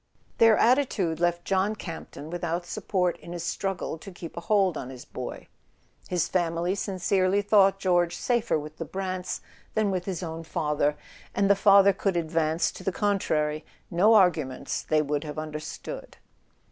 Their attitude left John Camp ton without support in his struggle to keep a hold on his boy. His family sincerely thought George safer with the Brants than with his own father, and the father could advance to the contrary no arguments they would have under¬ stood.